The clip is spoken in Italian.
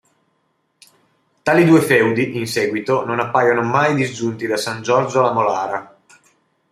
Tali due feudi, in seguito, non appaiono mai disgiunti da San Giorgio La Molara.